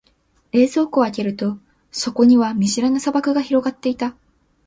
冷蔵庫を開けると、そこには見知らぬ砂漠が広がっていた。